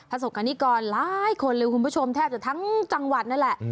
มาส่งกันนี้ก่อนหลายคนเลยคุณผู้ชมแทบจะทั้งจังหวัดนั่นแหละ